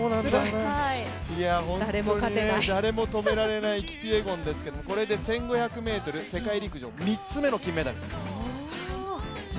本当に誰も止められないキピエゴンですけど、これで１５００ｍ、世界陸上３つ目の金メダル。